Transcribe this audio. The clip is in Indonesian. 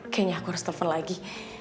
kayaknya aku harus telepon lagi